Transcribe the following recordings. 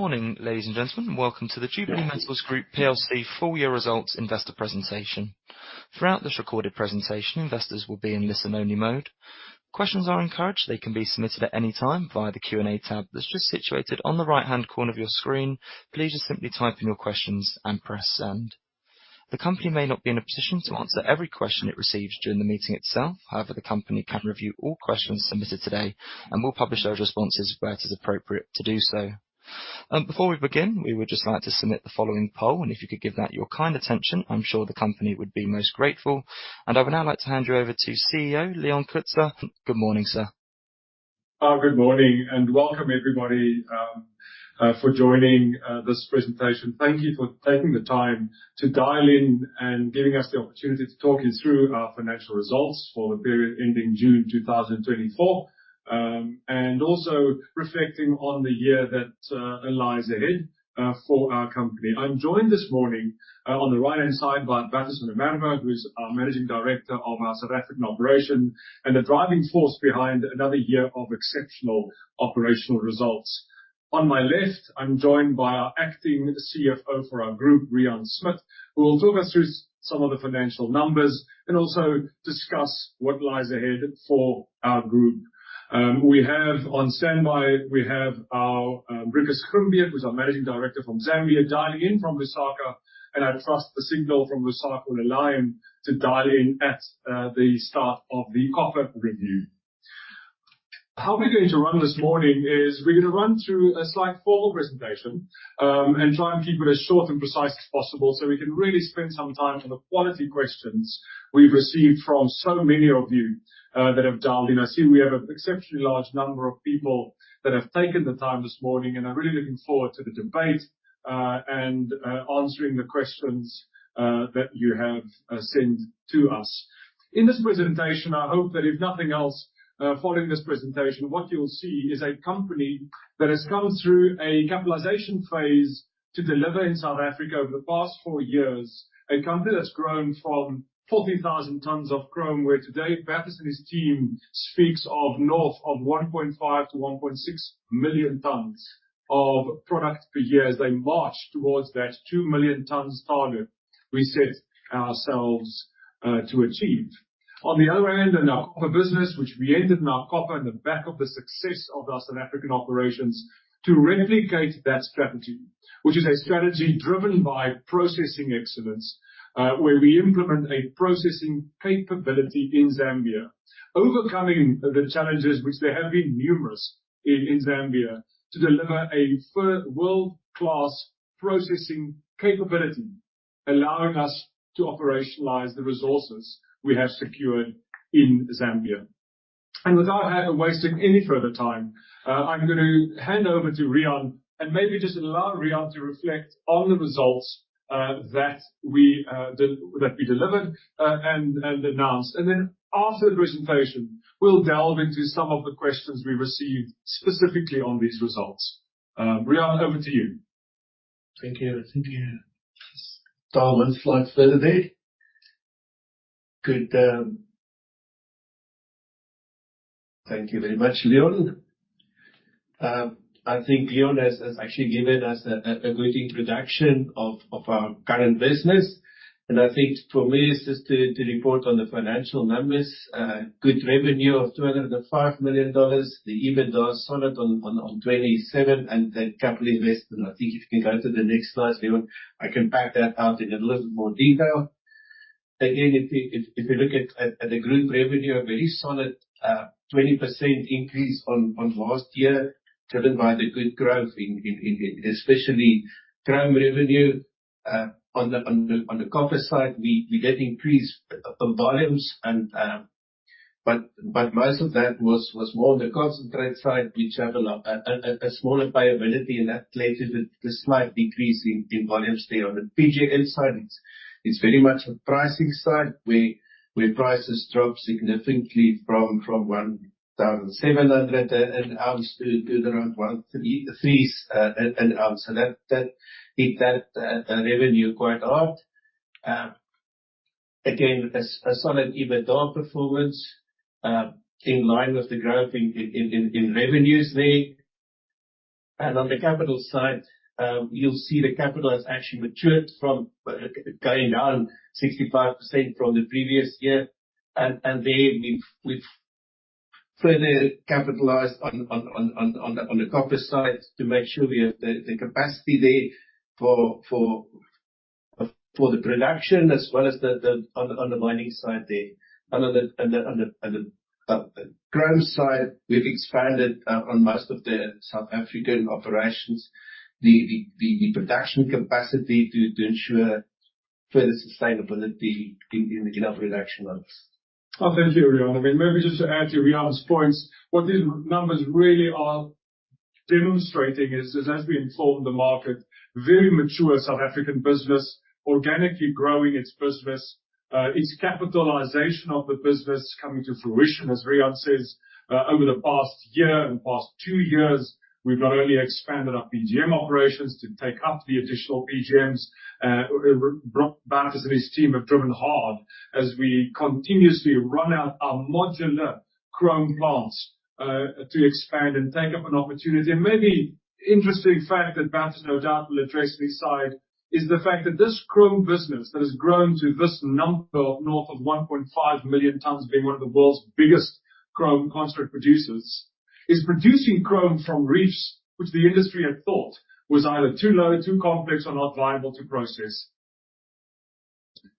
Morning, ladies and gentlemen. Welcome to the Jubilee Metals Group full year results investor presentation. Throughout this recorded presentation, investors will be in listen-only mode. Questions are encouraged. They can be submitted at any time via the Q&A tab that's just situated on the right-hand corner of your screen. Please just simply type in your questions and press send. The company may not be in a position to answer every question it receives during the meeting itself. However, the company can review all questions submitted today and will publish those responses where it is appropriate to do so. Before we begin, we would just like to submit the following poll, and if you could give that your kind attention, I'm sure the company would be most grateful. I would now like to hand you over to CEO Leon Coetzer. Good morning, sir. Good morning and welcome everybody for joining this presentation. Thank you for taking the time to dial in and giving us the opportunity to talk you through our financial results for the period ending June 2024. Also reflecting on the year that lies ahead for our company. I'm joined this morning on the right-hand side by Bertus van der Merwe, who is our Managing Director of our South African operation and the driving force behind another year of exceptional operational results. On my left, I'm joined by our Acting CFO for our group, Riaan Smit, who will talk us through some of the financial numbers and also discuss what lies ahead for our group. We have on standby our Ricus Grimbeek, who's our Managing Director from Zambia, dialing in from Lusaka, and I trust the signal from Lusaka will allow him to dial in at the start of the copper review. How we're going to run this morning is we're gonna run through a slide full presentation and try and keep it as short and precise as possible, so we can really spend some time on the quality questions we've received from so many of you that have dialed in. I see we have an exceptionally large number of people that have taken the time this morning, and I'm really looking forward to the debate and answering the questions that you have sent to us. In this presentation, I hope that if nothing else, following this presentation, what you'll see is a company that has come through a capitalization phase to deliver in South Africa over the past four years. A company that's grown from 40,000 tons of chrome, where today Bertus van der Merwe and his team speaks of north of 1.5-1.6 million tons of product per year as they march towards that 2 million tons target we set ourselves, to achieve. On the other hand, in our copper business, which we entered on the back of the success of our South African operations to replicate that strategy, which is a strategy driven by processing excellence, where we implement a processing capability in Zambia. Overcoming the challenges which there have been numerous in Zambia to deliver a world-class processing capability, allowing us to operationalize the resources we have secured in Zambia. Without wasting any further time, I'm gonna hand over to Riaan, and maybe just allow Riaan to reflect on the results that we delivered and announced. Then after the presentation, we'll delve into some of the questions we received specifically on these results. Riaan, over to you. Thank you. Dial one slide further there. Good. Thank you very much, Leon. I think Leon has actually given us a good introduction of our current business, and I think for me it's just to report on the financial numbers. Good revenue of $205 million. The EBITDA is solid on $27 million, and the capital investment. I think if you can go to the next slide, Leon, I can break that out in a little more detail. Again, if you look at the group revenue, a very solid 20% increase on last year driven by the good growth in especially chrome revenue. On the copper side, we did increase volumes, but most of that was more on the concentrate side, which have a smaller profitability, and that led to the slight decrease in volumes there. On the PGM side, it's very much a pricing side where prices dropped significantly from 1,700 an ounce to around 1,300 an ounce. That hit that revenue quite hard. Again, a solid EBITDA performance in line with the growth in revenues there. On the capital side, you'll see the capital has actually matured from going down 65% from the previous year. there we've further capitalized on the copper side to make sure we have the capacity there for the production as well as on the chrome side, we've expanded on most of the South African operations, the production capacity to ensure further sustainability in our production levels. Thank you, Riaan. I mean, maybe just to add to Riaan's points, what these numbers really are demonstrating is as we informed the market, very mature South African business, organically growing its business. It's capitalization of the business coming to fruition, as Riaan says, over the past year and past two years, we've not only expanded our PGM operations to take up the additional PGMs. Bertus and his team have driven hard as we continuously roll out our modular chrome plants to expand and take up an opportunity. Maybe interesting fact that Bertus no doubt will address this side is the fact that this chrome business that has grown to this north of 1.5 million tons being one of the world's biggest chrome concentrate producers, is producing chrome from reefs, which the industry had thought was either too low, too complex, or not viable to process.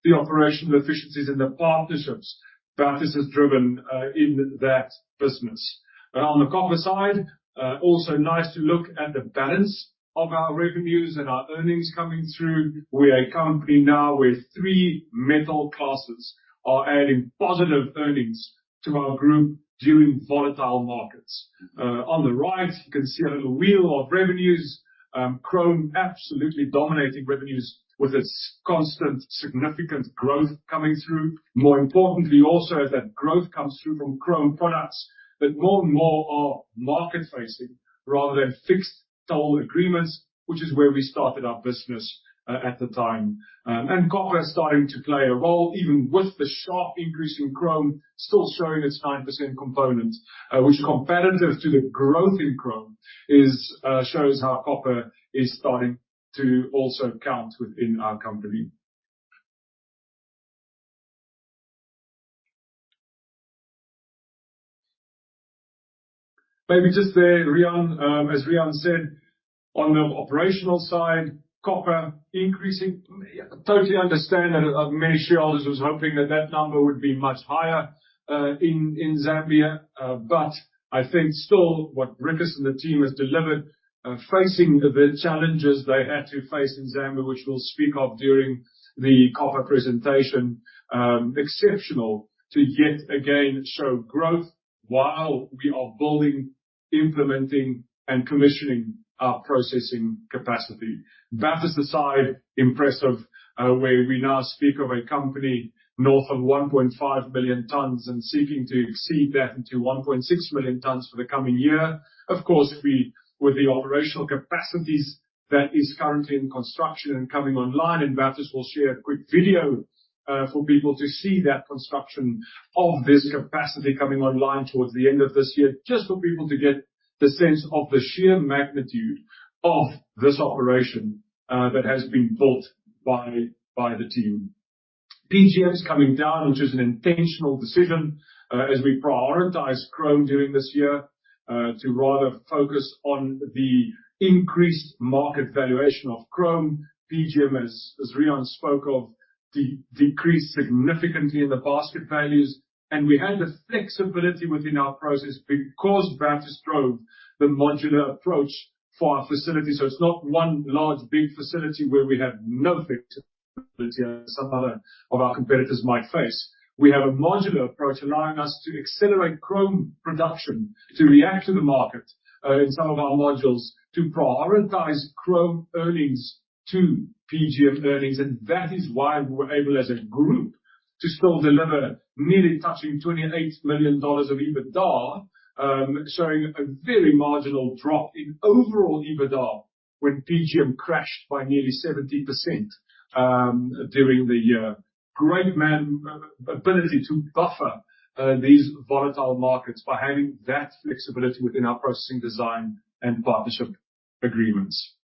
The operational efficiencies and the partnerships Bertus has driven, in that business. On the copper side, also nice to look at the balance of our revenues and our earnings coming through. We're a company now where three metal classes are adding positive earnings to our group during volatile markets. On the right, you can see a wheel of revenues, chrome absolutely dominating revenues with its constant significant growth coming through. More importantly, also, is that growth comes through from chrome products that more and more are market-facing rather than fixed toll agreements, which is where we started our business at the time. And copper is starting to play a role, even with the sharp increase in chrome, still showing its 9% component, which comparative to the growth in chrome is, shows how copper is starting to also count within our company. Maybe just there, Riaan, as Riaan said, on the operational side, copper increasing. Totally understand that many shareholders was hoping that that number would be much higher in Zambia. I think still what Ricus and the team has delivered, facing the challenges they had to face in Zambia, which we'll speak of during the copper presentation, exceptional to yet again show growth while we are building, implementing and commissioning our processing capacity. Bertus' side, impressive, where we now speak of a company north of 1.5 billion tons and seeking to exceed that into 1.6 million tons for the coming year. Of course, with the operational capacities that is currently in construction and coming online, and Bertus will share a quick video, for people to see that construction of this capacity coming online towards the end of this year, just for people to get the sense of the sheer magnitude of this operation, that has been built by the team. PGM is coming down, which is an intentional decision, as we prioritize chrome during this year, to rather focus on the increased market valuation of chrome. PGM, as Riaan spoke of, decreased significantly in the basket values, and we had the flexibility within our process because Bertus drove the modular approach for our facility, so it's not one large big facility where we have no flexibility as some other of our competitors might face. We have a modular approach allowing us to accelerate chrome production to react to the market, in some of our modules, to prioritize chrome earnings to PGM earnings, and that is why we're able as a group to still deliver nearly touching $28 million of EBITDA, showing a very marginal drop in overall EBITDA when PGM crashed by nearly 70%, during the year. Ability to buffer these volatile markets by having that flexibility within our processing design and partnership agreements.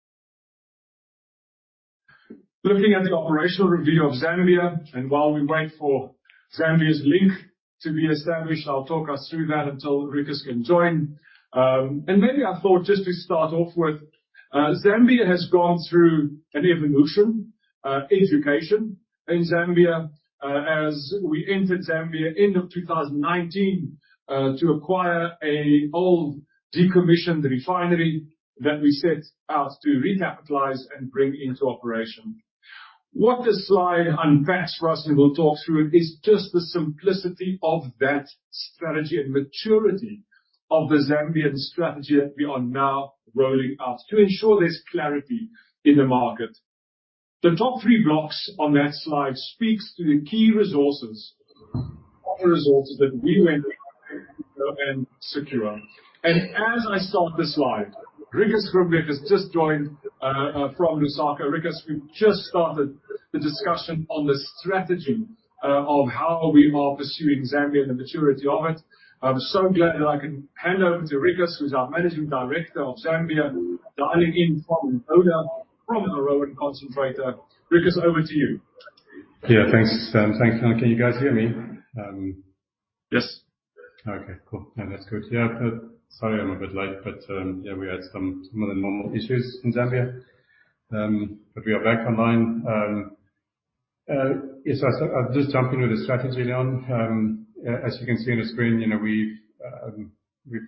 Looking at the operational review of Zambia, while we wait for Zambia's link to be established, I'll talk us through that until Ricus can join. Maybe I thought just to start off with, Zambia has gone through an evolution in Zambia as we entered Zambia end of 2019 to acquire an old decommissioned refinery that we set out to recapitalize and bring into operation. What this slide unpacks for us, we'll talk through, is just the simplicity of that strategy and maturity of the Zambian strategy that we are now rolling out to ensure there's clarity in the market. The top three blocks on that slide speaks to the key resources, ore resources that we went and secure. As I start the slide, Ricus Grimbeek has just joined from Lusaka. Ricus, we've just started the discussion on the strategy of how we are pursuing Zambia and the maturity of it. I'm so glad that I can hand over to Ricus, who's our Managing Director of Zambia, dialing in from Ndola from our Roan concentrator. Ricus, over to you. Yeah, thanks. Can you guys hear me? Yes. Okay, cool. That's good. Yeah. Sorry I'm a bit late but, yeah, we had some more than normal issues in Zambia, but we are back online. Yes, I'll just jump in with the strategy, Leon. As you can see on the screen we've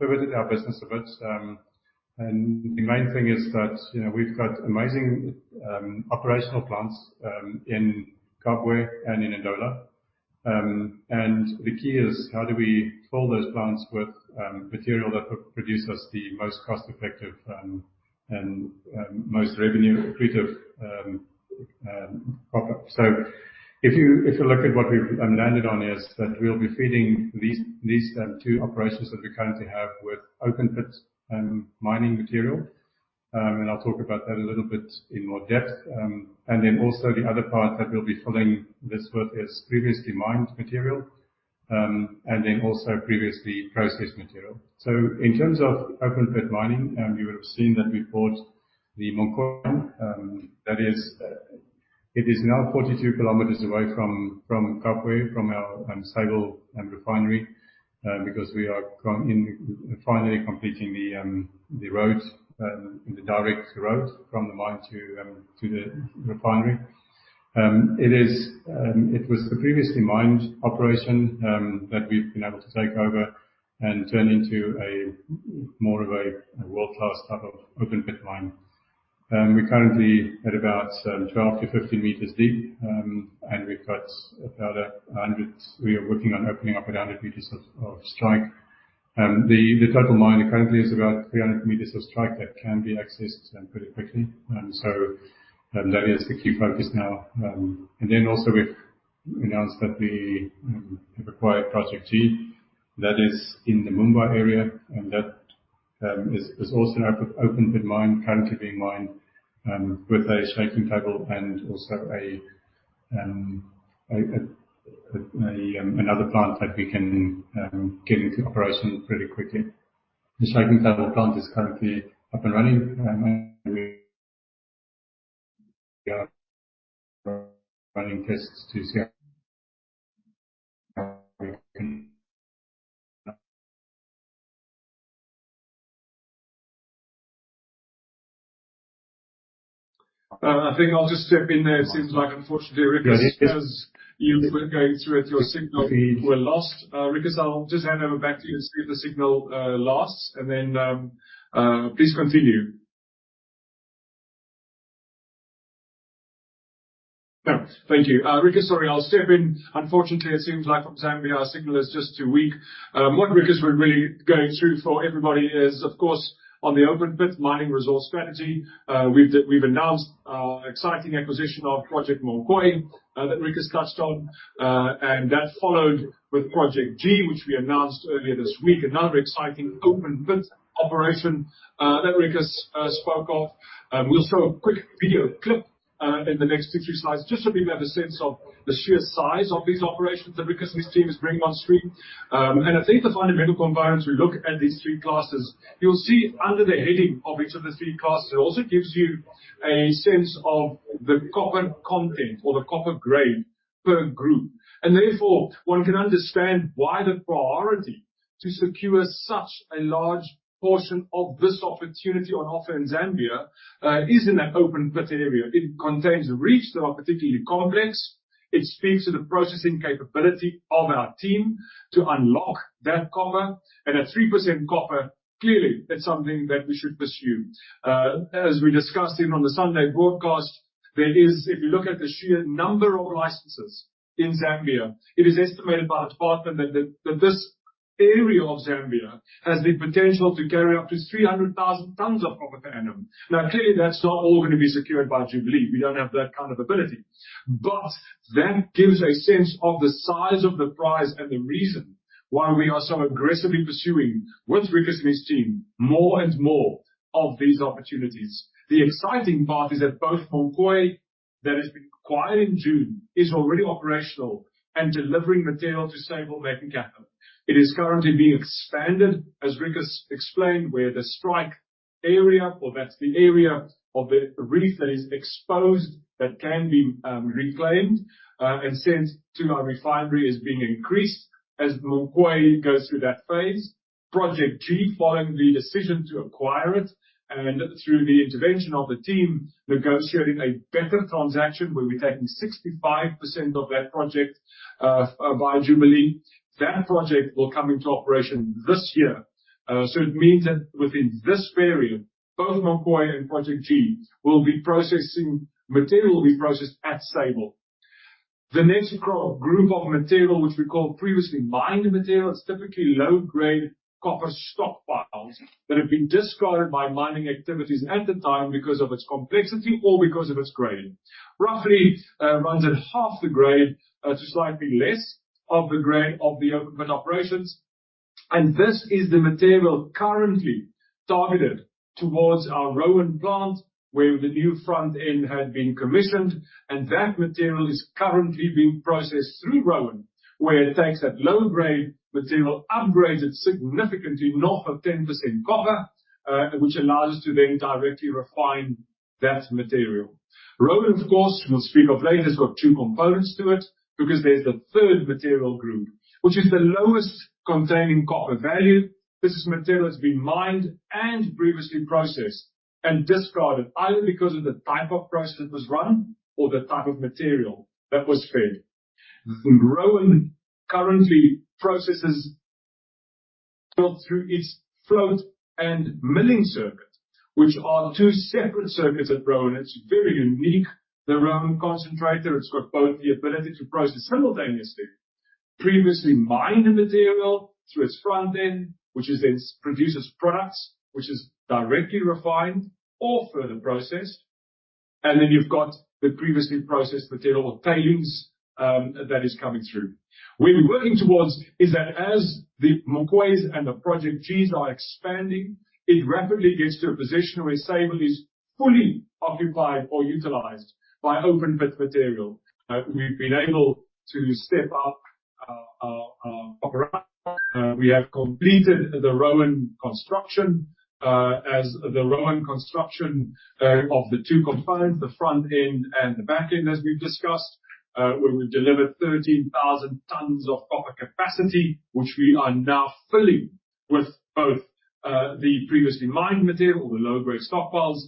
pivoted our business a bit. The main thing is that we've got amazing operational plants in Kabwe and in Ndola. The key is how do we fill those plants with material that will produce us the most cost-effective, and most revenue accretive, profit. If you look at what we've landed on is that we'll be feeding these two operations that we currently have with open-pit mining material. I'll talk about that a little bit in more depth. The other part that we'll be filling this with is previously mined material, and then also previously processed material. In terms of open-pit mining, you would have seen that we bought the Munkoyo. That is, it is now 42 kilometers away from Kafue, from our Sable Refinery. Because we are finally completing the road, the direct road from the mine to the refinery. It was the previously mined operation that we've been able to take over and turn into more of a world-class type of open pit mine. We're currently at about 12-15 meters deep, and we are working on opening up 100 meters of strike. The total mine currently is about 300 meters of strike that can be accessed pretty quickly. That is the key focus now. We've announced that we have acquired Project G that is in the Mumbwa area, and that is also an open pit mine currently being mined with a shaking table and also another plant that we can get into operation pretty quickly. The shaking table plant is currently up and running. I think I'll just step in there. It seems like unfortunately, Ricus, as you were going through it, your signal were lost. Ricus, I'll just hand over back to you as the signal lasts and then please continue. No, thank you. Ricus sorry, I'll step in. Unfortunately, it seems like from Zambia our signal is just too weak. What Ricus was really going through for everybody is, of course, on the open pit mining resource strategy. We've announced our exciting acquisition of Project Munkoyo that Ricus touched on. That followed with Project G, which we announced earlier this week. Another exciting open-pit operation that Ricus spoke of. We'll show a quick video clip in the next two, three slides, just so people have a sense of the sheer size of these operations that Ricus and his team is bringing on stream. I think the fundamental components we look at these three classes. You'll see under the heading of each of the three classes, it also gives you a sense of the copper content or the copper grade per group. Therefore, one can understand why the priority to secure such a large portion of this opportunity on offer in Zambia is in that open-pit area. It contains reefs that are particularly complex. It speaks to the processing capability of our team to unlock that copper. At 3% copper, clearly it's something that we should pursue. As we discussed even on the Sunday broadcast, if you look at the sheer number of licenses in Zambia, it is estimated by the department that this area of Zambia has the potential to carry up to 300,000 tons of copper per annum. Now, clearly, that's not all gonna be secured by Jubilee. We don't have that kind of ability. That gives a sense of the size of the prize and the reason why we are so aggressively pursuing with Ricus and his team more and more of these opportunities. The exciting part is that both Munkoyo, that has been acquired in June, is already operational and delivering material to Sable. It is currently being expanded, as Ricus explained, where the strike area or that's the area of the reef that is exposed that can be reclaimed and sent to our refinery is being increased as Munkoyo goes through that phase. Project G following the decision to acquire it and through the intervention of the team negotiating a better transaction, where we're taking 65% of that project via Jubilee. That project will come into operation this year. It means that within this period both Munkoyo and Project G will be processing material at Sable. The next group of material, which we call previously mined material. It's typically low-grade copper stockpiles that have been discarded by mining activities at the time because of its complexity or because of its grade. Roughly, runs at half the grade to slightly less of the grade of the open-pit operations. This is the material currently targeted towards our Roan plant, where the new front end had been commissioned. That material is currently being processed through Roan, where it takes that low-grade material, upgrades it significantly north of 10% copper, which allows us to then directly refine that material. Roan, of course, we'll speak of later, it's got two components to it because there's the third material group, which is the lowest containing copper value. This is material that's been mined and previously processed and discarded either because of the type of process that was run or the type of material that was fed. Roan currently processes through its flotation and milling circuit, which are two separate circuits at Roan. It's very unique. The Roan concentrator, it's got both the ability to process simultaneously previously mined material through its front end, which then produces products which are directly refined or further processed. And then you've got the previously processed material or tailings that is coming through. What we're working towards is that as the Munkoyo and the Project G's are expanding, it rapidly gets to a position where Sable is fully occupied or utilized by open-pit material. We've been able to step up our operation. We have completed the Roan construction of the two components, the front end and the back end, as we've discussed, where we've delivered 13,000 tons of copper capacity, which we are now filling with both the previously mined material or the low-grade stockpiles,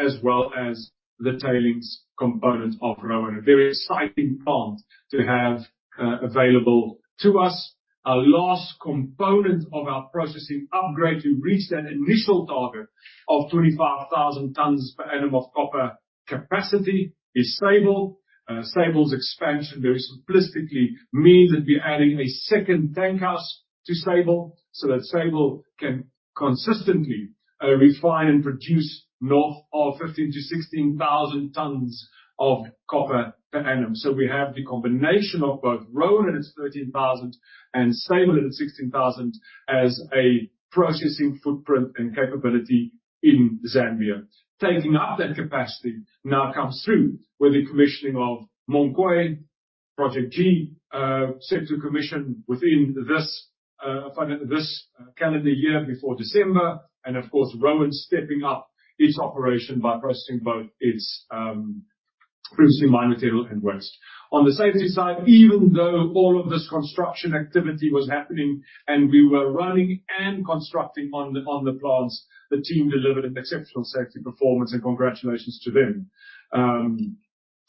as well as the tailings component of Roan. A very exciting plant to have available to us. Our last component of our processing upgrade to reach that initial target of 25,000 tons per annum of copper capacity is Sable. Sable's expansion very simplistically means that we're adding a second tank house to Sable, so that Sable can consistently refine and produce north of 15,000-16,000 tons of copper per annum. We have the combination of both Roan at its 13,000 and Sable at its 16,000 as a processing footprint and capability in Zambia. Taking up that capacity now comes through with the commissioning of Munkoyo, Project G, set to commission within this calendar year before December. Of course, Roan stepping up its operation by processing both its previously mined material and waste. On the safety side, even though all of this construction activity was happening, and we were running and constructing on the plants, the team delivered an exceptional safety performance, and congratulations to them.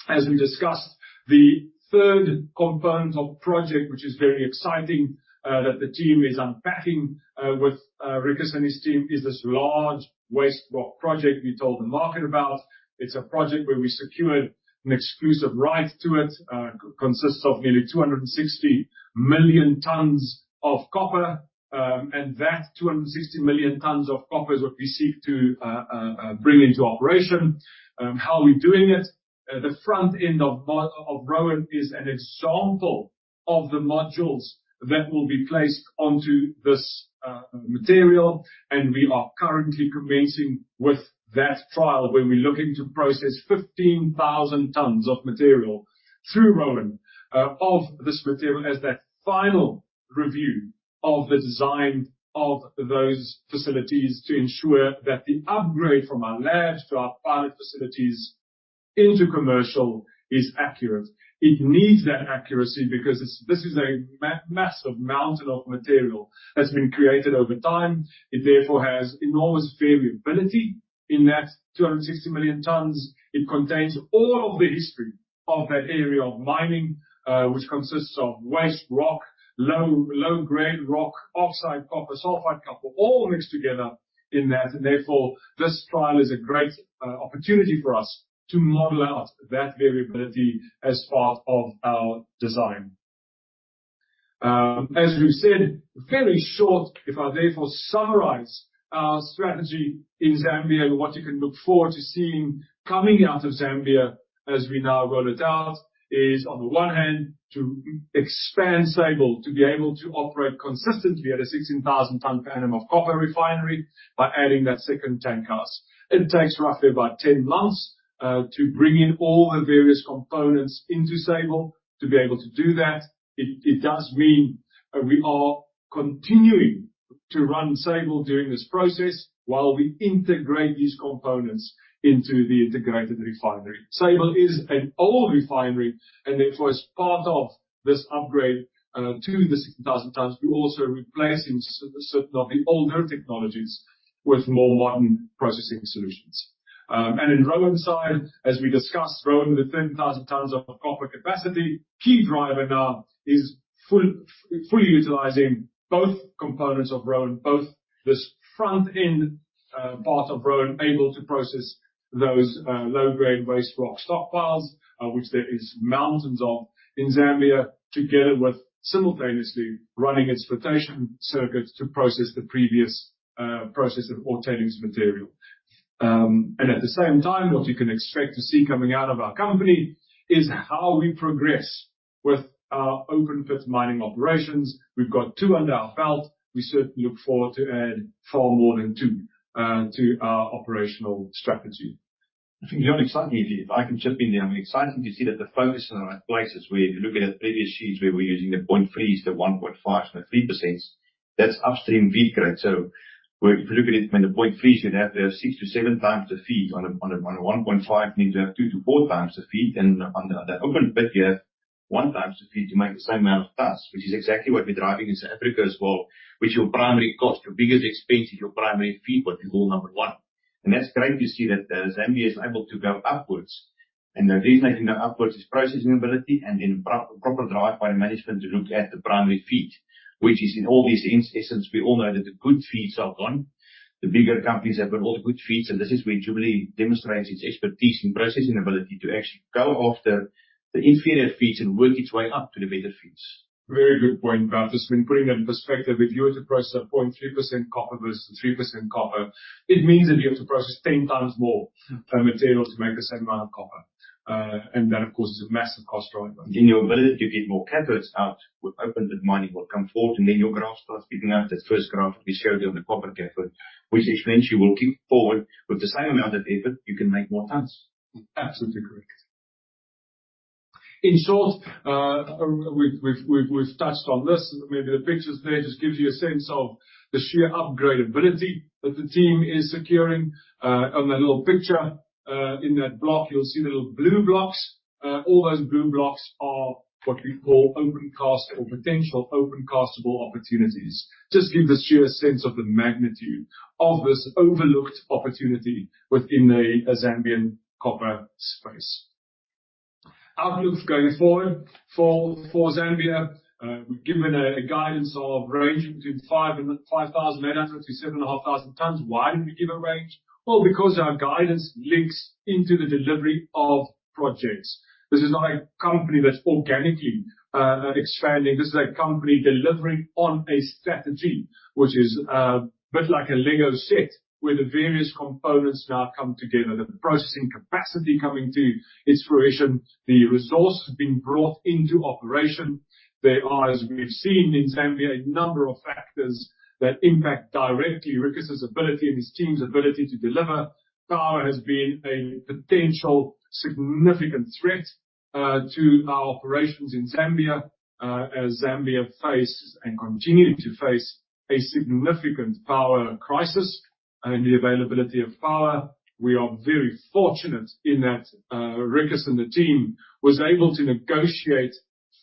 As we discussed, the third component of project, which is very exciting, that the team is unpacking, with Ricus and his team, is this large waste rock project we told the market about. It's a project where we secured an exclusive right to it. It consists of nearly 260 million tons of copper, and that 260 million tons of copper is what we seek to bring into operation. How are we doing it? The front end of Roan is an example of the modules that will be placed onto this material, and we are currently commencing with that trial, where we're looking to process 15,000 tons of material through Roan of this material as that final review of the design of those facilities to ensure that the upgrade from our labs to our pilot facilities into commercial is accurate. It needs that accuracy because this is a massive mountain of material that's been created over time. It therefore has enormous variability. In that 260 million tons, it contains all of the history of that area of mining, which consists of waste rock, low-grade rock, copper oxide, copper sulfide, all mixed together in that. Therefore, this trial is a great opportunity for us to model out that variability as part of our design. As we've said, very short, if I therefore summarize our strategy in Zambia and what you can look forward to seeing coming out of Zambia as we now roll it out, is on the one hand, to expand Sable to be able to operate consistently at a 16,000 ton per annum of copper refinery by adding that second tank house. It takes roughly about 10 months to bring in all the various components into Sable to be able to do that. It does mean we are continuing to run Sable during this process while we integrate these components into the integrated refinery. Sable is an old refinery, and therefore, as part of this upgrade to the 16,000 tons, we are also replacing certain of the older technologies with more modern processing solutions. In Roan's side, as we discussed, Roan with the 30,000 tons of copper capacity, key driver now is fully utilizing both components of Roan, both this front-end part of Roan able to process those low-grade waste rock stockpiles, which there is mountains of in Zambia, together with simultaneously running its flotation circuit to process the previously processed ore tailings material. At the same time, what you can expect to see coming out of our company is how we progress with our open-pit mining operations. We've got two under our belt. We certainly look forward to add far more than two to our operational strategy. I think the only exciting, if I can chip in there. I'm excited to see that the focus is on the right places, where if you look at our previous sheets, where we're using the 0.3s, the 1.5s, and the 3%s, that's upstream feed grade. If you look at it from the 0.3s, you'd have to have 6-7 times the feed. On a 1.5, you need to have 2-4 times the feed. On the open pit, you have 1 time the feed to make the same amount of tons, which is exactly what we're driving in South Africa as well, which your primary cost, your biggest expense is your primary feed, what is rule number one. That's great to see that Zambia is able to go upwards. The reason I think they're upwards is processing ability and then proper drive by management to look at the primary feed, which is in all these instances, we all know that the good feeds are gone. The bigger companies have got all the good feeds, and this is where Jubilee demonstrates its expertise in processing ability to actually go after the inferior feeds and work its way up to the better feeds. Very good point, Bertus. When putting that in perspective, if you were to process 0.3% copper versus 3% copper, it means that you have to process 10 times more. Mm-hmm. material to make the same amount of copper. That, of course, is a massive cost driver. Your ability to get more cathodes out with open-pit mining will come forward, and then your graph starts picking up. That first graph we showed you on the copper cathode, which explains you working forward with the same amount of effort, you can make more tons. Absolutely correct. In short, we've touched on this. Maybe the pictures there just gives you a sense of the sheer upgradability that the team is securing. On that little picture, in that block, you'll see little blue blocks. All those blue blocks are what we call open cast or potential open castable opportunities. It just gives the sheer sense of the magnitude of this overlooked opportunity within the Zambian copper space. Outlooks going forward for Zambia, we've given a guidance range between 5,000 and 7,500 tons. Why did we give a range? Well, because our guidance links into the delivery of projects. This is not a company that's organically expanding. This is a company delivering on a strategy which is a bit like a Lego set where the various components now come together. The processing capacity coming to its fruition, the resource being brought into operation. There are, as we've seen in Zambia, a number of factors that impact directly Ricus' ability and his team's ability to deliver. Power has been a potential significant threat to our operations in Zambia as Zambia faces and continue to face a significant power crisis and the availability of power. We are very fortunate in that Ricus and the team was able to negotiate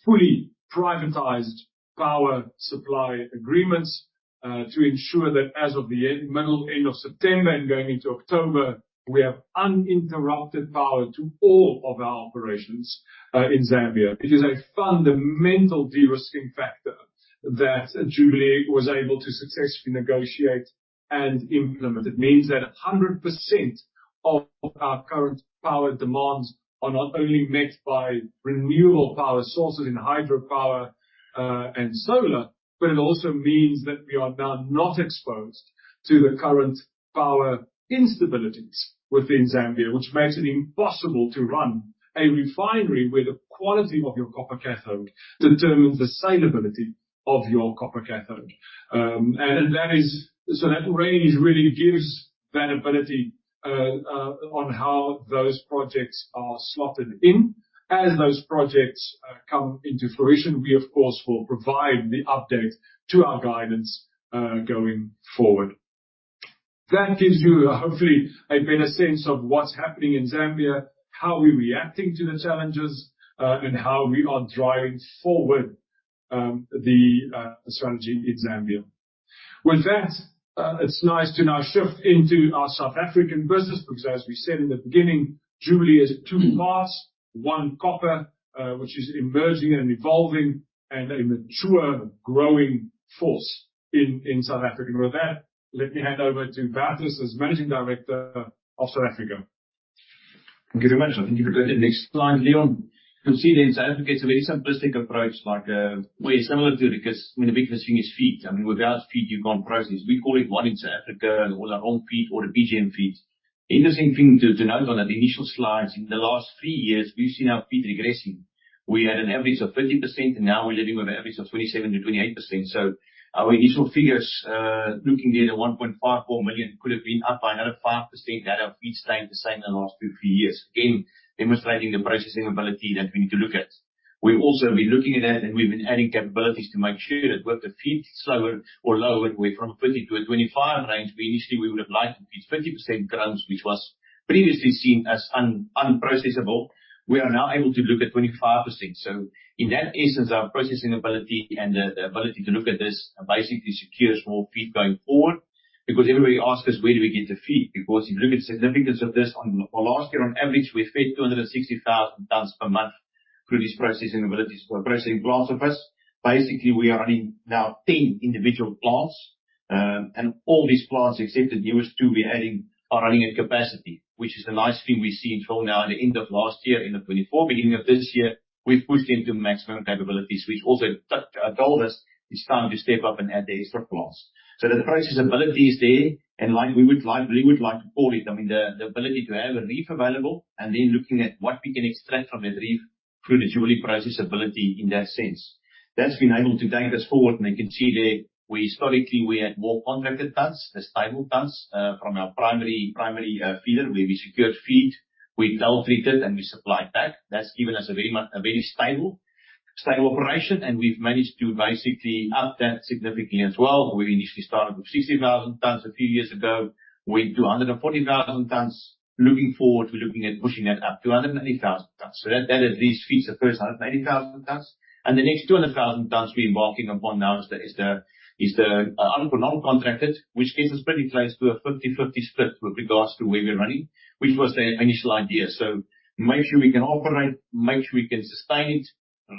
fully privatized power supply agreements to ensure that as of the middle, end of September and going into October, we have uninterrupted power to all of our operations in Zambia. It is a fundamental de-risking factor that Jubilee was able to successfully negotiate and implement. It means that 100% of our current power demands are not only met by renewable power sources in hydropower and solar, but it also means that we are now not exposed to the current power instabilities within Zambia, which makes it impossible to run a refinery where the quality of your copper cathode determines the salability of your copper cathode. That already really gives that ability on how those projects are slotted in. As those projects come into fruition, we of course will provide the update to our guidance going forward. That gives you hopefully a better sense of what's happening in Zambia, how we're reacting to the challenges, and how we are driving forward the strategy in Zambia. With that, it's nice to now shift into our South African business because as we said in the beginning, Jubilee is two parts, one copper, which is emerging and evolving and a mature growing force in South Africa. With that, let me hand over to Bertus as Managing Director of South Africa. Thank you very much. I think you can go to the next slide, Leon. You can see there in South Africa, it's a very simplistic approach like way similar to Ricus when the biggest thing is feed. I mean, without feed, you can't process. We call it home in South Africa, all our own feed or the PGM feeds. Interesting thing to note on the initial slides, in the last three years, we've seen our feed regressing. We had an average of 30%, and now we're living with an average of 27%-28%. Our initial figures, looking there at the 1.54 million could have been up by another 5% had our feeds stayed the same in the last two, three years. Again, demonstrating the processing ability that we need to look at. We've also been looking at that, and we've been adding capabilities to make sure that with the feed slower or lower, we're from a 30-25 range. We initially would have liked to be at 50% grams, which was previously seen as unprocessable. We are now able to look at 25%. In that instance, our processing ability and the ability to look at this basically secures more feed going forward. Everybody asks us, "Where do we get the feed?" If you look at the significance of this for last year, on average, we fed 260,000 tons per month through this processing abilities. Our processing plants of us, basically we are running now 10 individual plants. All these plants, except the newest two we're adding, are running at capacity. Which is a nice thing we've seen till now at the end of last year, end of 2024, beginning of this year, we've pushed into maximum capabilities, which also told us it's time to step up and add the extra plants. The processing ability is there, and like we would like to call it, I mean, the ability to have a reef available and then looking at what we can extract from that reef through the Jubilee processing ability in that sense. That's been able to take us forward, and you can see there we historically had more contracted tons, the stable tons, from our primary feeder where we secured feed, we dealt with it, and we supplied that. That's given us a very stable operation, and we've managed to basically up that significantly as well. We initially started with 60,000 tons a few years ago. We're at 240,000 tons. Looking forward, we're looking at pushing that up to 180,000 tons. That at least feeds the first 180,000 tons. The next 200,000 tons we're embarking upon now is the uncontracted, which gets us pretty close to a 50-50 split with regards to where we're running, which was the initial idea. Make sure we can operate, make sure we can sustain it,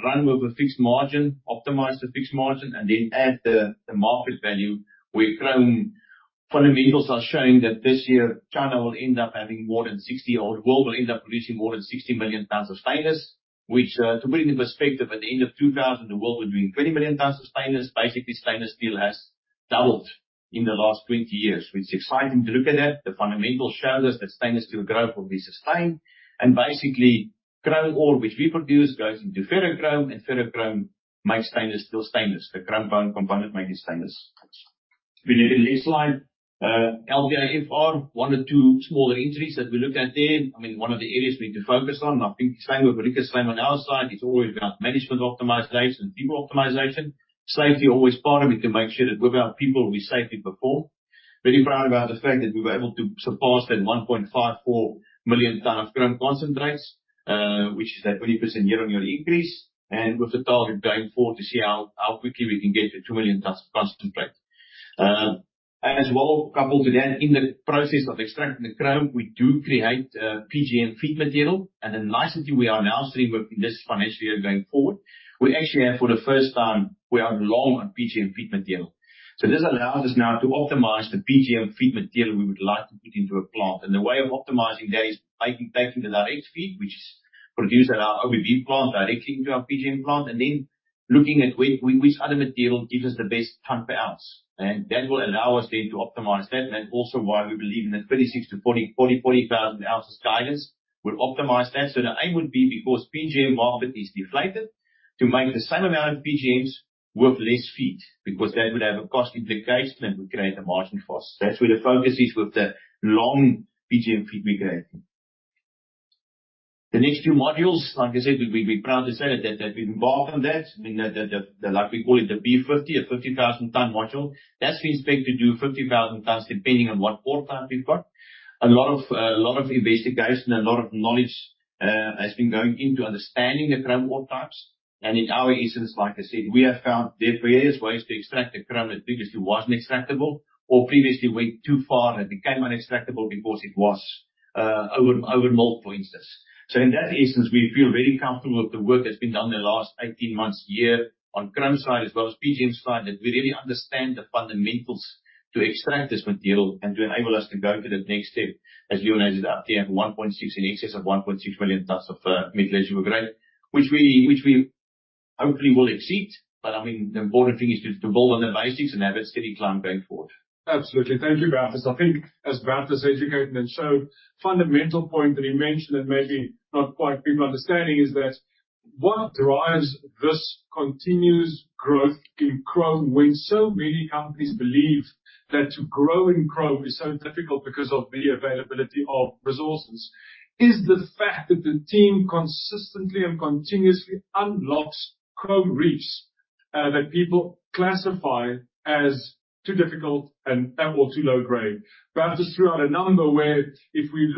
run with a fixed margin, optimize the fixed margin, and then add the market value where chrome fundamentals are showing that this year China will end up having more than 60 or the world will end up producing more than 60 million tons of stainless. Which, to put into perspective, at the end of 2000 the world was doing 20 million tons of stainless. Basically, stainless steel has doubled in the last 20 years, which is exciting to look at that. The fundamentals show us that stainless steel growth will be sustained and basically chrome ore which we produce goes into ferrochrome, and ferrochrome makes stainless steel stainless. The chrome component make it stainless. If we look at the next slide, LTIFR, one or two smaller entries that we look at there. I mean, one of the areas we need to focus on. I think it's fair, what Rickus has said on our side, it's always about management optimization and people optimization. Safety always part of it to make sure that with our people we safely perform. Very proud about the fact that we were able to surpass that 1.54 million tons of chrome concentrates, which is a 20% year-on-year increase. With the target going forward to see how quickly we can get to 2 million tons concentrate. As well coupled to that, in the process of extracting the chrome, we do create PGM feed material. The nice thing we are now seeing with this financial year going forward, we actually have for the first time, we are long on PGM feed material. This allows us now to optimize the PGM feed material we would like to put into a plant. The way of optimizing that is by taking the direct feed, which is produced at our OBB plant directly into our PGM plant, and then looking at which other material gives us the best tons per ounce. That will allow us then to optimize that. That's also why we believe in the 36,000-40,000 ounces guidance would optimize that. The aim would be because PGM market is deflated to make the same amount of PGMs with less feed because that would have a cost implication and would create a margin for us. That's where the focus is with the low PGM feed we're creating. The next few modules, like I said, we're proud to say that we've embarked on that. I mean, like we call it the B50, a 50,000-ton module. We expect to do 50,000 tons depending on what ore type we've got. A lot of investigation, a lot of knowledge has been going into understanding the chrome ore types. In our instance, like I said, we have found there are various ways to extract the chrome that previously wasn't extractable or previously went too far and became unextractable because it was over mined for instance. In that instance, we feel very comfortable with the work that's been done in the last 18 months, a year on chrome side as well as PGM side, that we really understand the fundamentals to extract this material and to enable us to go to the next step. As Leon has it out there, 1.6, in excess of 1.6 million tons of mineral reserve grade, which we hopefully will exceed. I mean, the important thing is to build on the basics and have a steady climb going forward. Absolutely. Thank you, Bertus. I think as Bertus educated and showed fundamental point that he mentioned and maybe not quite been understanding is that what drives this continuous growth in chrome when so many companies believe that to grow in chrome is so difficult because of the availability of resources, is the fact that the team consistently and continuously unlocks chrome reefs that people classify as too difficult and, or too low grade. Bertus threw out a number where if we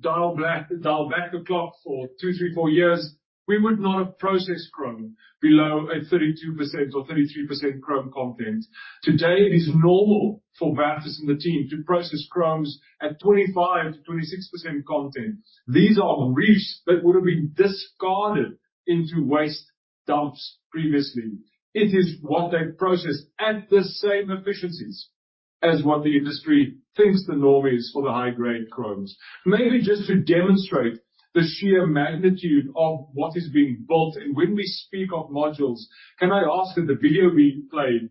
dial back the clock for two, three, four years, we would not have processed chrome below a 32% or 33% chrome content. Today, it is normal for Bertus and the team to process chromes at 25, 26% content. These are reefs that would have been discarded into waste dumps previously. It is what they process at the same efficiencies as what the industry thinks the norm is for the high-grade chrome. Maybe just to demonstrate the sheer magnitude of what is being built, and when we speak of modules, can I ask that the video be played?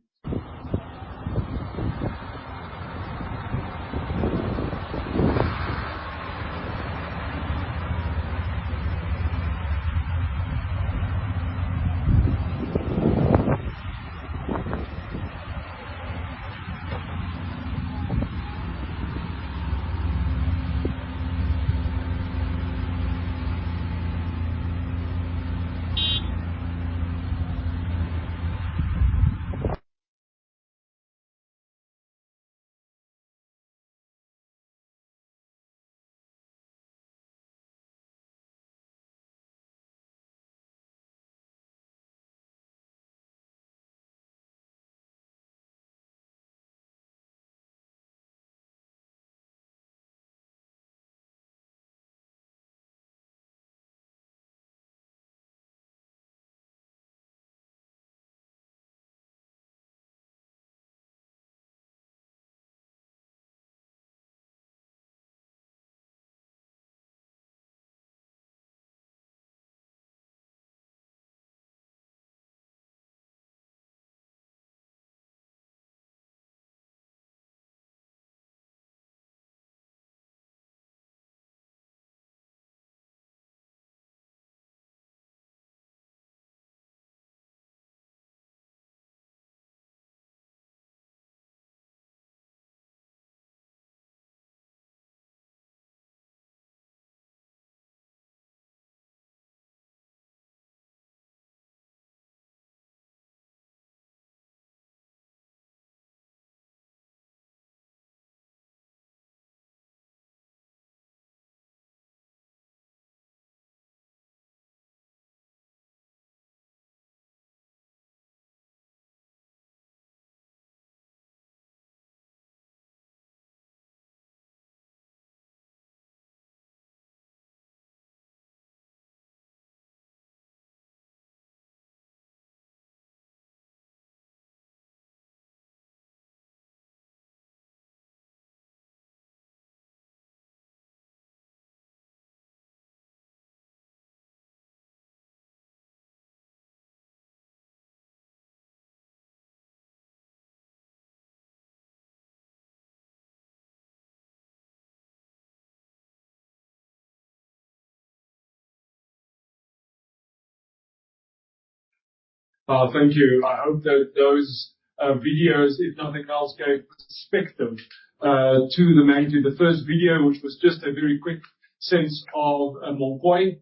Thank you. I hope that those videos, if nothing else, gave perspective to the management. The first video, which was just a very quick sense of Munkoyo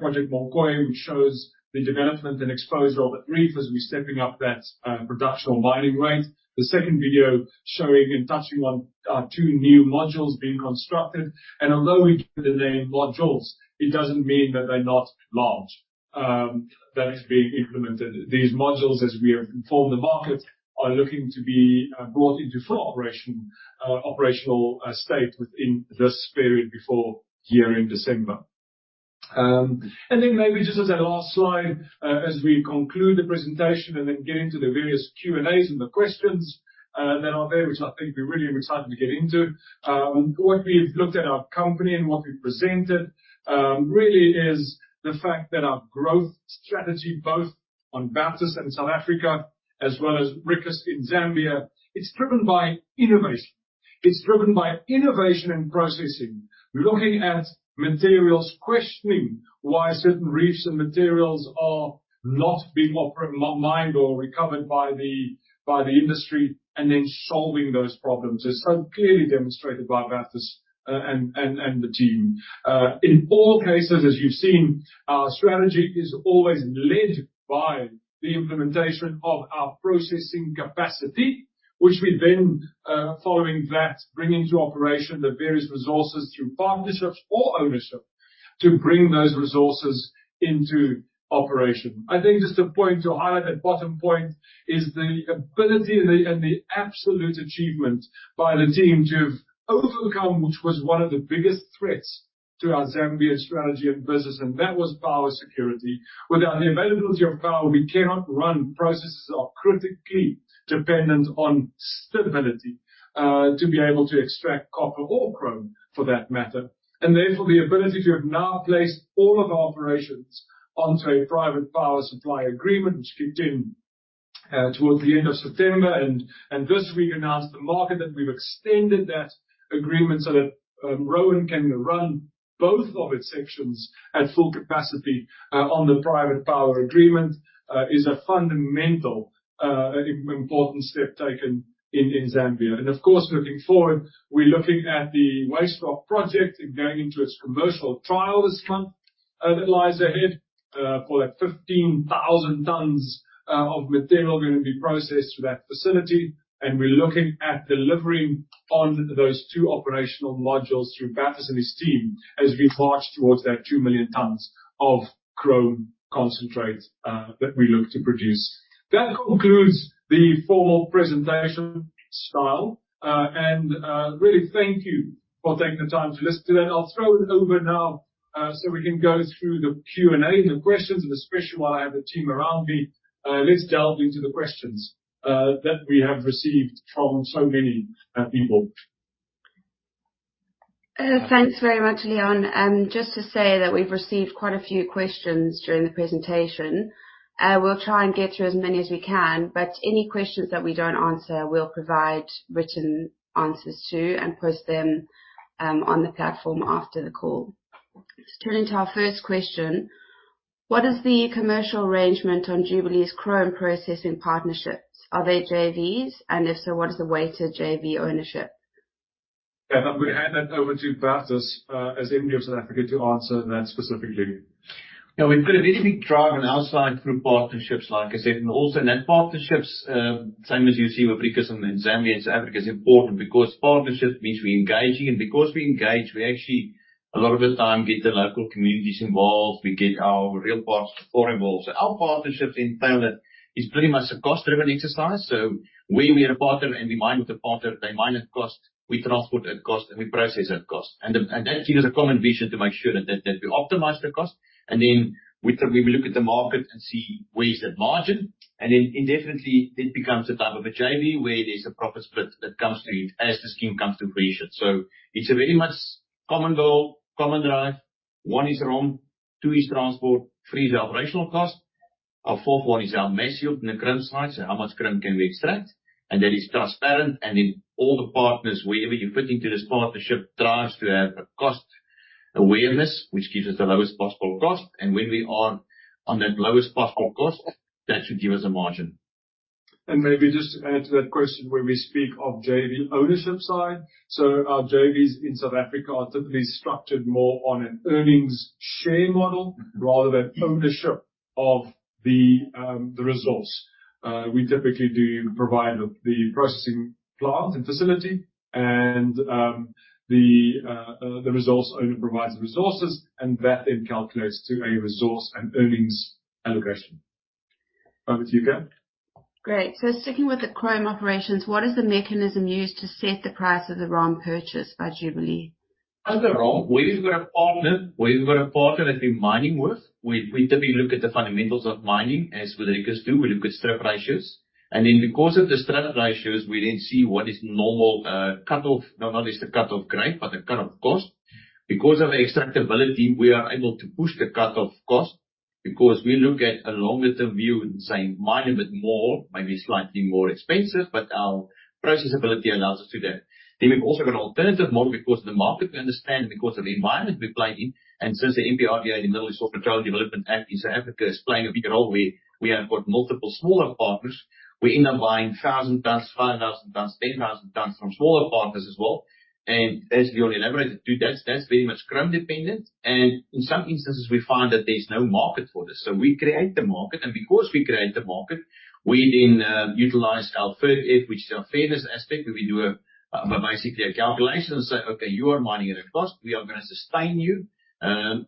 project, which shows the development and exposure of the reef as we're stepping up that production or mining rate. The second video showing and touching on our two new modules being constructed. Although we give the name modules, it doesn't mean that they're not large, that is being implemented. These modules, as we have informed the market, are looking to be brought into full operation, operational state within this period before year-end December. Then maybe just as that last slide, as we conclude the presentation and then get into the various Q&As and the questions that are there, which I think we're really excited to get into. What we've looked at in our company and what we've presented really is the fact that our growth strategy, both on Bertus in South Africa as well as Ricus in Zambia, it's driven by innovation. It's driven by innovation and processing. We're looking at materials, questioning why certain reefs and materials are not being mined or recovered by the industry, and then solving those problems. It's so clearly demonstrated by Bertus and the team. In all cases as you've seen, our strategy is always led by the implementation of our processing capacity, which we then, following that, bring into operation the various resources through partnerships or ownership to bring those resources into operation. I think just a point to highlight that bottom point is the ability and the absolute achievement by the team to have overcome, which was one of the biggest threats to our Zambia strategy and business, and that was power security. Without the availability of power, we cannot run. Processes are critically dependent on stability to be able to extract copper or chrome for that matter. Therefore, the ability to have now placed all of our operations onto a private power supply agreement, which kicked in, towards the end of September. This week announced to the market that we've extended that agreement so that Roan can run both of its sections at full capacity. The private power agreement is a fundamental important step taken in Zambia. Of course, looking forward, we're looking at the waste rock project. It's going into its commercial trial this month that lies ahead. Call it 15,000 tons of material are gonna be processed through that facility. We're looking at delivering on those two operational modules through Bertus and his team as we march towards that 2 million tons of chrome concentrate that we look to produce. That concludes the formal presentation style. Really thank you for taking the time to listen to that. I'll throw it over now, so we can go through the Q&A, the questions, and especially while I have the team around me, let's delve into the questions that we have received from so many people. Thanks very much, Leon. Just to say that we've received quite a few questions during the presentation. We'll try and get through as many as we can, but any questions that we don't answer, we'll provide written answers to and post them on the platform after the call. Let's turn to our first question. What is the commercial arrangement on Jubilee's chrome processing partnerships? Are they JVs? And if so, what is the weight to JV ownership? Yeah. I'm gonna hand that over to Bertus van der Merwe, as MD of South Africa to answer that specifically. Yeah. We've got a very big drive on our side through partnerships, like I said. Also in that partnerships, same as you see with Ricus in Zambia and South Africa, is important because partnership means we're engaging. Because we engage, we actually a lot of the time get the local communities involved. We get our rail partners involved. Our partnerships entail that it's pretty much a cost-driven exercise. We made a partner and we mine with a partner. They mine at cost, we transport at cost, and we process at cost. And that gives us a common vision to make sure that we optimize the cost. Then we look at the market and see where is that margin. Indefinitely it becomes a type of a JV where there's a profit split that comes to it as the scheme comes to fruition. It's a very much common goal, common drive. One is ROM, two is transport, three is operational cost. Our fourth one is our mass yield in the chrome side, so how much chrome can we extract. That is transparent. All the partners, whoever you put into this partnership, tries to have a cost awareness, which gives us the lowest possible cost. When we are on that lowest possible cost, that should give us a margin. Maybe just to add to that question, when we speak of JV ownership side. Our JVs in South Africa are typically structured more on an earnings share model rather than ownership of the resource. We typically do provide the processing plant and facility and the resource owner provides the resources, and that then calculates to a resource and earnings allocation. Back with you, Kate. Great. Sticking with the Chrome operations, what is the mechanism used to set the price of the ROM purchase by Jubilee? As a ROM, where you've got a partner that you're mining with, we typically look at the fundamentals of mining, as miners do. We look at strip ratios. Because of the strip ratios, we then see what is normal cut-off. Not only is the cut-off grade, but the cut-off cost. Because of extractability, we are able to push the cut-off cost because we look at a longer-term view and say, mine a bit more, maybe slightly more expensive, but our processability allows us to do that. We've also got an alternative model because the market we understand because of the environment we play in, and since the MPRDA, the Mineral and Petroleum Resources Development Act in South Africa is playing a bigger role, we have got multiple smaller partners. We end up buying 1,000 tons, 5,000 tons, 10,000 tons from smaller partners as well. As we already elaborated to that's very much chrome dependent. In some instances we find that there's no market for this. We create the market, and because we create the market, we then utilize our fair share, which is our fairness aspect, where we do basically a calculation and say, "Okay, you are mining at a cost. We are gonna sustain you."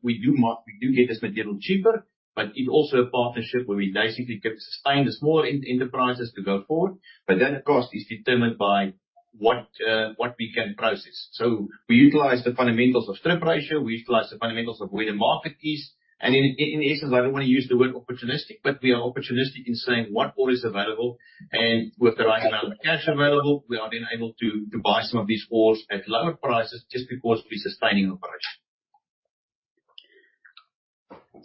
We do get this material cheaper, but it's also a partnership where we basically can sustain the small enterprises to go forward. The cost is determined by what we can process. We utilize the fundamentals of strip ratio, we utilize the fundamentals of where the market is. In essence, I don't wanna use the word opportunistic, but we are opportunistic in saying what ore is available, and with the right amount of cash available, we are then able to buy some of these ores at lower prices just because we're sustaining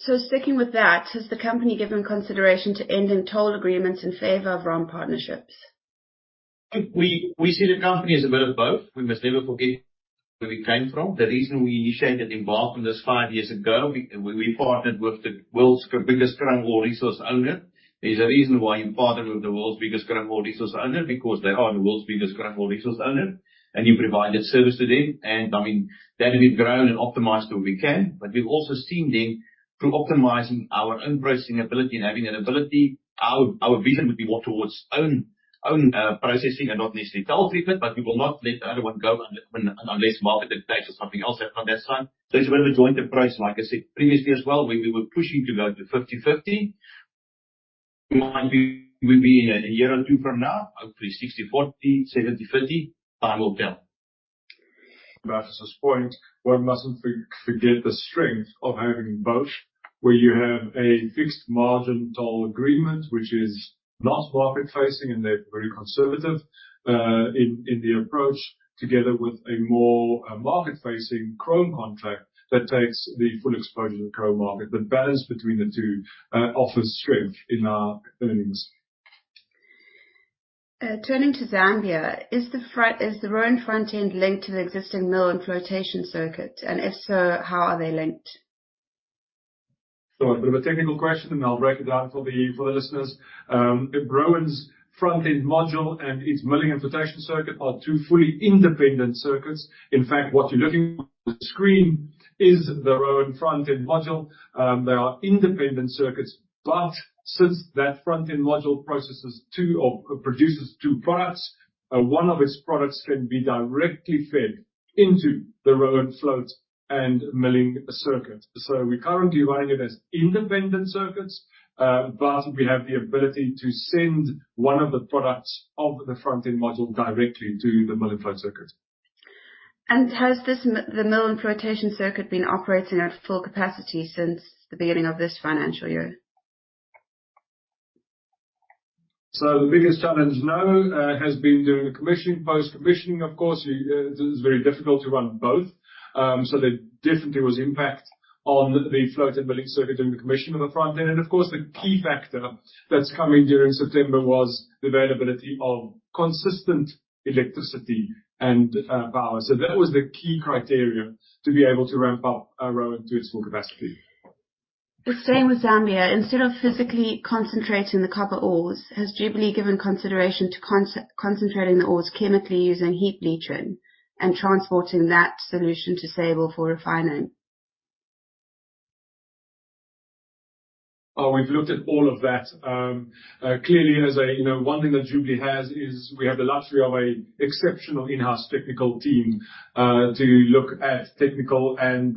operation. Sticking with that, has the company given consideration to ending toll agreements in favor of ROM partnerships? We see the company as a bit of both. We must never forget where we came from. The reason we initiated involvement this five years ago, we partnered with the world's biggest chrome ore resource owner. There's a reason why you partner with the world's biggest chrome ore resource owner because they are the world's biggest chrome ore resource owner, and you provide that service to them. I mean, then we've grown and optimized where we can. We've also seen then through optimizing our own processing ability and having that ability, our vision would be more towards own processing and not necessarily toll treatment, but we will not let the other one go unless market dictates or something else happens on that side. It's a bit of a joint approach, like I said previously as well, where we were pushing to go to 50/50. Mind you, we'll be in a year or two from now, hopefully 60/40, 70/30. Time will tell. At this point, one mustn't forget the strength of having both, where you have a fixed margin toll agreement, which is not market-facing, and they're very conservative in the approach together with a more market-facing chrome contract that takes the full exposure to the chrome market. The balance between the two offers strength in our earnings. Turning to Zambia, is the Roan front-end linked to the existing mill and flotation circuit, and if so, how are they linked? A bit of a technical question, and I'll break it down for the listeners. The Roan's front-end module and its milling and flotation circuit are two fully independent circuits. In fact, what you're looking at on the screen is the Roan front-end module. They are independent circuits, but since that front-end module processes two or produces two products, one of its products can be directly fed into the Roan flotation and milling circuit. We're currently running it as independent circuits, but we have the ability to send one of the products of the front-end module directly to the milling and flotation circuit. Has this mill and flotation circuit been operating at full capacity since the beginning of this financial year? The biggest challenge now has been doing the commissioning. Post-commissioning, of course, it is very difficult to run both. There definitely was impact on the flotation and milling circuit during the commissioning of the front end. Of course, the key factor that came during September was the availability of consistent electricity and power. That was the key criteria to be able to ramp up Roan to its full capacity. The same with Zambia. Instead of physically concentrating the copper ores, has Jubilee given consideration to concentrating the ores chemically using heap leaching and transporting that solution to Sable for refinement? Oh, we've looked at all of that. Clearly one thing that Jubilee has is we have the luxury of an exceptional in-house technical team to look at technical and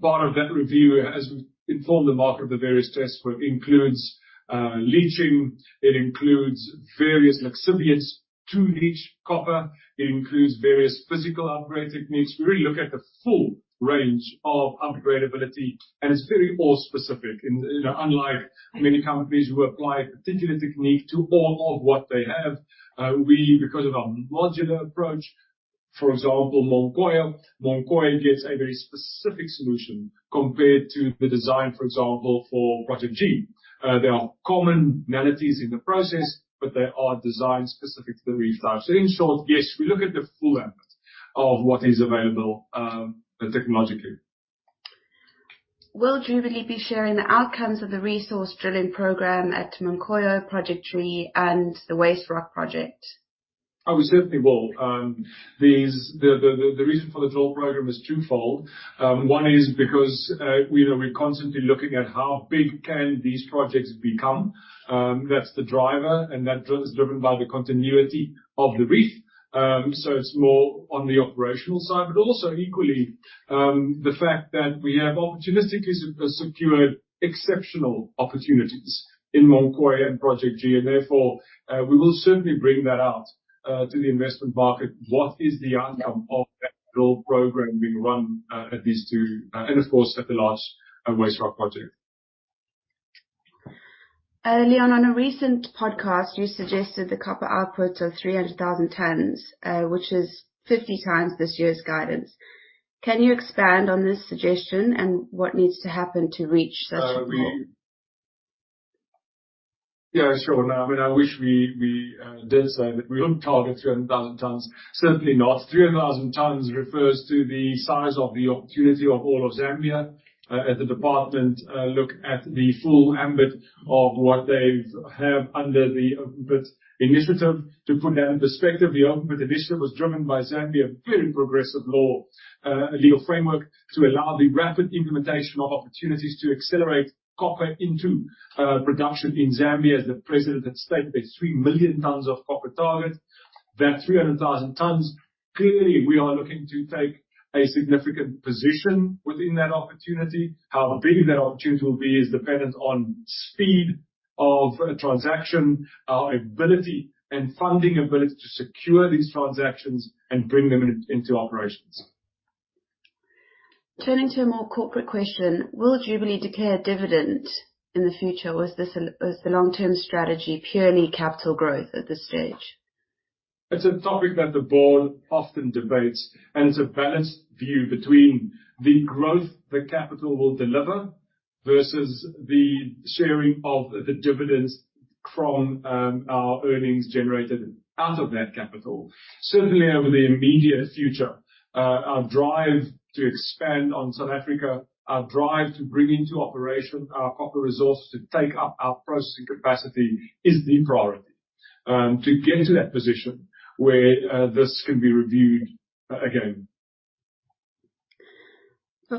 part of that review, as we've informed the market of the various tests, includes leaching. It includes various lixiviants to leach copper. It includes various physical upgrade techniques. We really look at the full range of upgrade ability, and it's very ore specific. You know, unlike many companies who apply a particular technique to all of what they have, we, because of our modular approach, for example, Munkoyo. Munkoyo gets a very specific solution compared to the design, for example, for Project G. There are commonalities in the process, but they are designed specific to the ore type. In short, yes, we look at the full gamut of what is available, technologically. Will Jubilee be sharing the outcomes of the resource drilling program at Munkoyo, Project G, and the waste rock project? Oh, we certainly will. The reason for the drill program is twofold. One is because we're constantly looking at how big these projects can become. That's the driver, and that is driven by the continuity of the reef. So it's more on the operational side, but also equally, the fact that we have opportunistically secured exceptional opportunities in Munkumpu and Project G. Therefore, we will certainly bring that out to the investment market. What is the outcome of that drill program being run at these two and of course at the large waste rock project? Leon, on a recent podcast, you suggested the copper output of 300,000 tons, which is 50 times this year's guidance. Can you expand on this suggestion and what needs to happen to reach such a goal? I mean, I wish we did say that. We don't target 300,000 tons. Certainly not. 300,000 tons refers to the size of the opportunity of all of Zambia, as the department looks at the full AMBIT of what they have under the AMBIT initiative. To put that in perspective, the AMBIT initiative was driven by Zambia, very progressive law, legal framework to allow the rapid implementation of opportunities to accelerate copper into production in Zambia, as the president had stated, 3 million tons of copper target. That 300,000 tons, clearly we are looking to take a significant position within that opportunity. How big that opportunity will be is dependent on speed of a transaction, our ability and funding ability to secure these transactions and bring them into operations. Turning to a more corporate question, will Jubilee declare a dividend in the future? Is the long-term strategy purely capital growth at this stage? It's a topic that the board often debates, and it's a balanced view between the growth the capital will deliver versus the sharing of the dividends from our earnings generated out of that capital. Certainly over the immediate future, our drive to expand on South Africa, our drive to bring into operation our copper resource to take up our processing capacity is the priority, to get into that position where this can be reviewed again.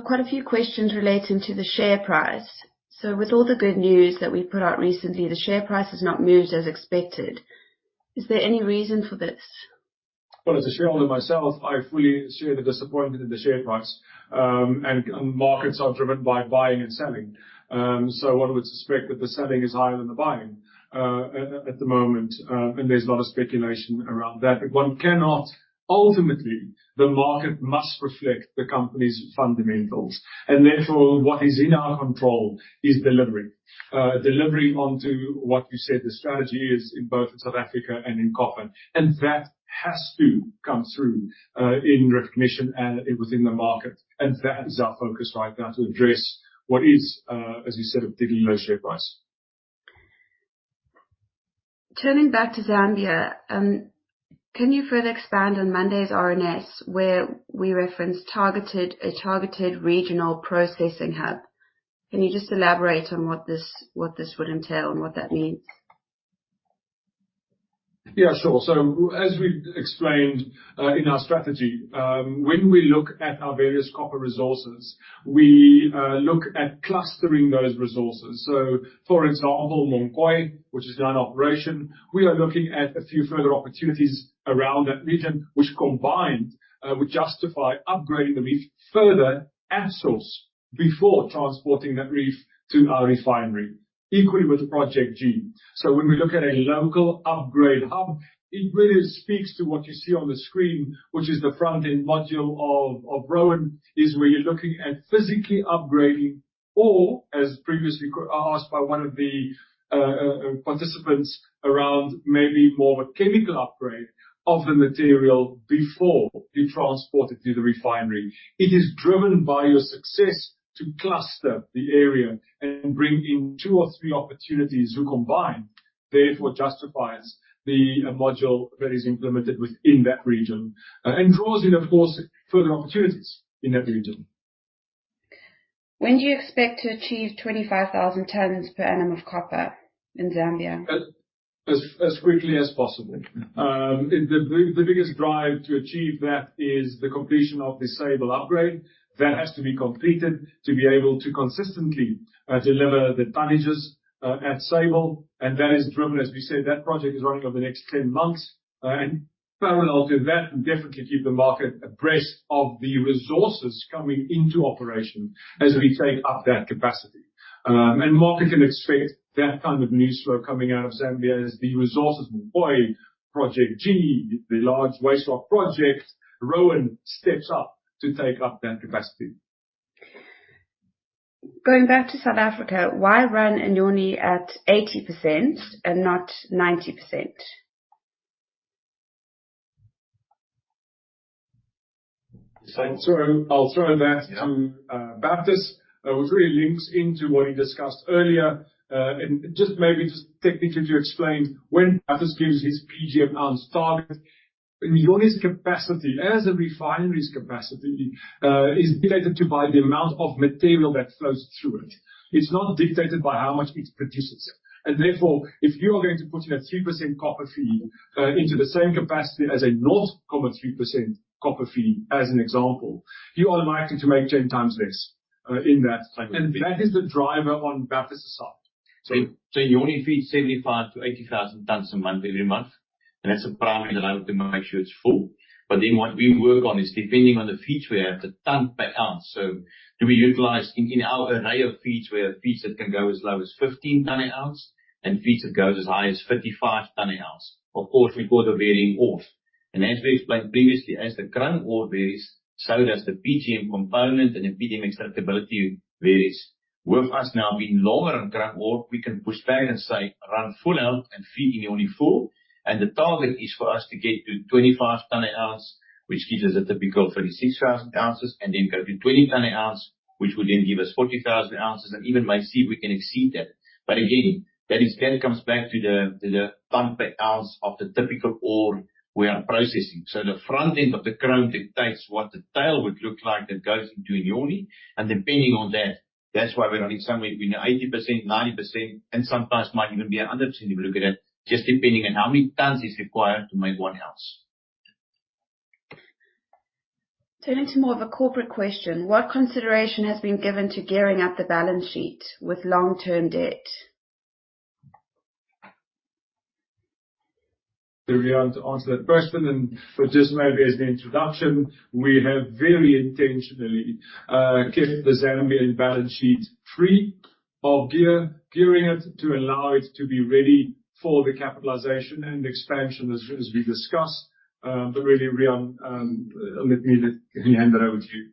Quite a few questions relating to the share price. With all the good news that we put out recently, the share price has not moved as expected. Is there any reason for this? Well, as a shareholder myself, I fully share the disappointment in the share price. Markets are driven by buying and selling. One would suspect that the selling is higher than the buying at the moment, and there's a lot of speculation around that. Ultimately, the market must reflect the company's fundamentals, and therefore, what is in our control is delivery. Delivery onto what you said the strategy is in both South Africa and in copper. That has to come through in recognition and within the market. That is our focus right now to address what is, as you said, a deeply low share price. Turning back to Zambia, can you further expand on Monday's RNS, where we referenced a targeted regional processing hub? Can you just elaborate on what this would entail and what that means? Yeah, sure. As we explained in our strategy, when we look at our various copper resources, we look at clustering those resources. For instance, Munkumpu, which is now in operation, we are looking at a few further opportunities around that region, which combined would justify upgrading the reef further at source before transporting that reef to our refinery. Equally with Project G. When we look at a local upgrade hub, it really speaks to what you see on the screen, which is the front-end module of Roan, is where you're looking at physically upgrading or as previously asked by one of the participants around maybe more of a chemical upgrade of the material before being transported to the refinery. It is driven by your success to cluster the area and bring in two or three opportunities to combine, therefore justifies the module that is implemented within that region, and draws in, of course, further opportunities in that region. When do you expect to achieve 25,000 tons per annum of copper in Zambia? As quickly as possible. The biggest drive to achieve that is the completion of the Sable upgrade. That has to be completed to be able to consistently deliver the tonnages at Sable. That is driven, as we said, that project is running over the next 10 months. Parallel to that, we'll definitely keep the market abreast of the resources coming into operation as we take up that capacity. Market can expect that kind of news flow coming out of Zambia as the resources Munkumpu, Project G, the large waste rock project, Roan steps up to take up that capacity. Going back to South Africa, why run Inyoni at 80% and not 90%? I'll throw that to Bertus van der Merwe, which really links into what he discussed earlier. Just maybe just technically to explain when Bertus van der Merwe gives his PGM ounce target. Inyoni's capacity as a refinery's capacity is dictated to by the amount of material that flows through it. It's not dictated by how much it produces. Therefore, if you are going to put in a 3% copper feed into the same capacity as a 0.3% copper feed, as an example, you are likely to make ten times less. In that time. That is the driver on Bertus van der Merwe's side. you only feed 75,000-80,000 tons a month every month, and that's a primary drive to make sure it's full. what we work on is depending on the feeds we have, the tons per ounce. do we utilize in our array of feeds, we have feeds that can go as low as 15 ton an ounce and feeds that goes as high as 55 ton an ounce. Of course, we've got a varying ore. As we explained previously, as the current ore varies, so does the PGM component and the PGM extractability varies. With us now being longer on current ore, we can push back and say, "Run full out and feed into the Inyoni 4." The target is for us to get to 25 tons per ounce, which gives us a typical 36,000 ounces, and then go to 20 tons per ounce, which will then give us 40,000 ounces and even might see if we can exceed that. Again, that is, then comes back to the tons per ounce of the typical ore we are processing. The front end of the chrome dictates what the tail would look like that goes into Inyoni. Depending on that's why we're only somewhere between 80%, 90%, and sometimes might even be 100% if you look at it, just depending on how many tons is required to make one ounce. Turning to more of a corporate question, what consideration has been given to gearing up the balance sheet with long-term debt? To Riaan to answer that question. Just maybe as an introduction, we have very intentionally kept the Zambian balance sheet free of gearing it to allow it to be ready for the capitalization and expansion as we discussed. Really, Riaan, let me hand it over to you.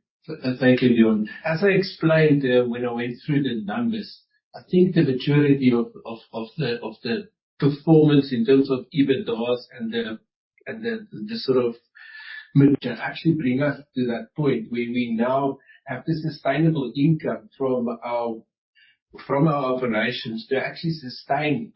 Thank you, Leon. As I explained, when I went through the numbers, I think the maturity of the performance in terms of EBITDA and the sort of margin actually bring us to that point where we now have the sustainable income from our operations to actually sustain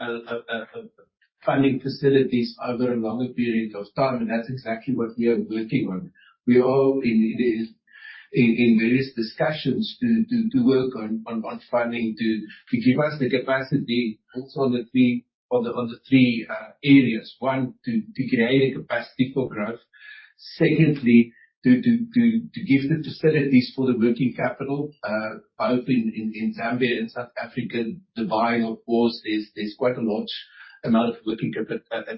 funding facilities over a longer period of time. That's exactly what we are working on. We are in various discussions to work on funding to give us the capacity also on the three areas. One, to create a capacity for growth. Secondly, to give the facilities for the working capital, both in Zambia and South Africa. Dubai, of course, there's quite a large amount of working